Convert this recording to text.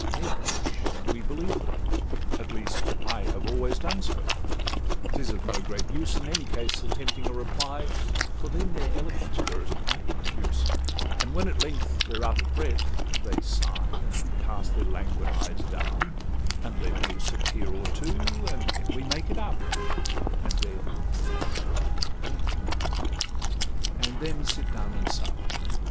They blush, and we believe them; at least I Have always done so; 'tis of no great use, In any case, attempting a reply, For then their eloquence grows quite profuse; And when at length they're out of breath, they sigh, And cast their languid eyes down, and let loose A tear or two, and then we make it up; And then—and then—and then—sit down and sup.